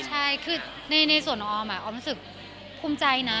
ใช่คือในส่วนของออมออมรู้สึกภูมิใจนะ